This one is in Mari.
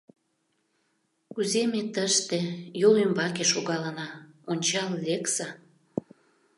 — Кузе ме тыште йол ӱмбаке шогалына, ончал лекса...